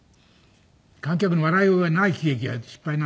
「観客の笑いがない喜劇は失敗なんだよ」